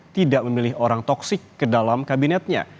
tidak memilih orang toksik ke dalam kabinetnya